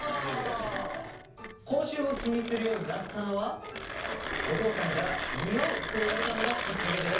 口臭を気にするようになったのはお父さんから「ニオう！」と言われたのがきっかけでした。